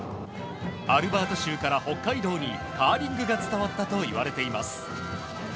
アルバータ州から北海道にカーリングが伝わったといわれています。